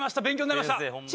勉強になりました。